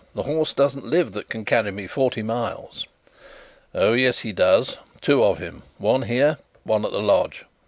"The horse doesn't live that can carry me forty miles." "Oh, yes, he does two of him: one here one at the lodge.